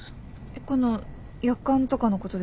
このやかんとかのことですか？